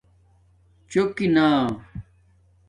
چݸکنا